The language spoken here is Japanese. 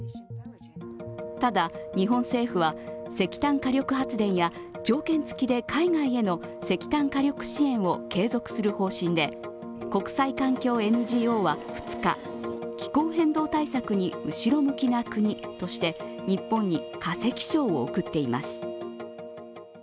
ただ、日本政府は石炭火力発電や条件付きで海外への石炭火力支援を継続する方針で、国際環境ＮＧＯは２日、気候変動対策に後ろ向きな国として日本に化石賞を贈っています。